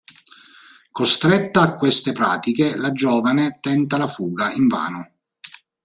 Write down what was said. Costretta a queste pratiche, la giovane tenta la fuga, invano.